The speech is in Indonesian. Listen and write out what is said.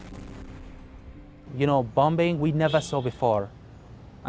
pembangunan tersebut tidak pernah terjadi sebelumnya